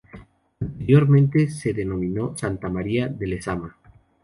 Anteriormente se denominó Santa María de Lezama.